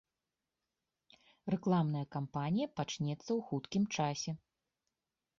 Рэкламная кампанія пачнецца ў хуткім часе.